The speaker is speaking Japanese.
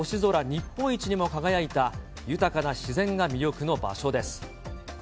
日本一にも輝いた、豊かな自然が魅力の場所です。